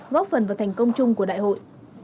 góp phần vào thành công chung của đại hội